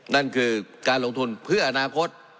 นั่นคือการลงทุนเพื่ออนาคต